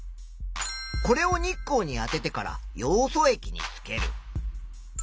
これを日光にあててからヨウ素液につける。